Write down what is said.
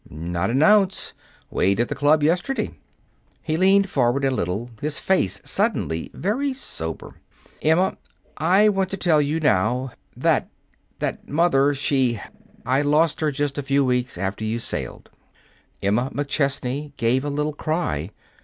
"Not an ounce. Weighed at the club yesterday." He leaned forward a little, his face suddenly very sober. "Emma, I want to tell you now that that mother she I lost her just a few weeks after you sailed." Emma McChesney gave a little cry.